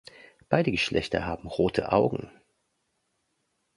Beide Geschlechter haben rote Augen.